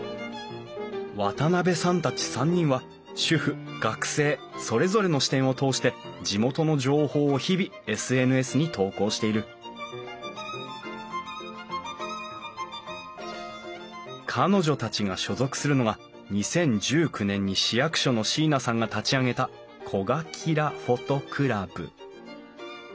渡辺さんたち３人は主婦学生それぞれの視点を通して地元の情報を日々ＳＮＳに投稿している彼女たちが所属するのが２０１９年に市役所の椎名さんが立ち上げた「こがキラＰｈｏｔｏクラブ」。